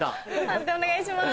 判定お願いします。